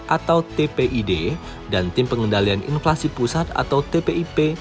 atau tpid dan tim pengendalian inflasi pusat atau tpip